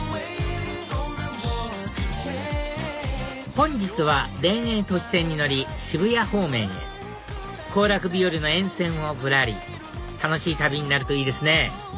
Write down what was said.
本日は田園都市線に乗り渋谷方面へ行楽日和の沿線をぶらり楽しい旅になるといいですね